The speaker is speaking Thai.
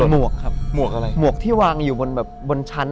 เมือกที่วางอยู่บนชั้น